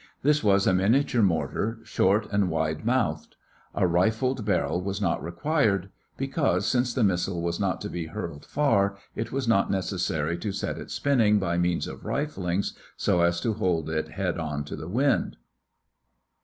This was a miniature mortar, short and wide mouthed. A rifled barrel was not required, because, since the missile was not to be hurled far, it was not necessary to set it spinning by means of rifling so as to hold it head on to the wind.